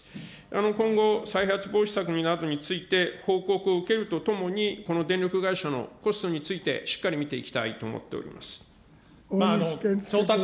今後、再発防止策などについて報告を受けるとともに、この電力会社のコストについてしっかり見ていきたいと思っており大西健介君。